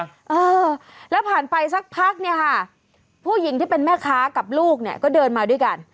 เออแล้วผ่านไปสักพักเนี่ยค่ะผู้หญิงที่เป็นแม่ค้ากับลูกเนี่ยก็เดินมาด้วยกัน